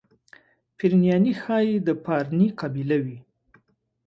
پرنیاني ښایي د پارني قبیله وي.